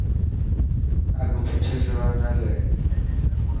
اگھه پوڇي سوانا لي.